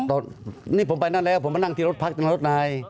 ตอนนี้ผมไปนั่นแล้วผมมานั่งที่รถพักตรงรถนาย